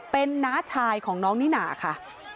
เป็นน้าชายของน้องนิน่าค่ะ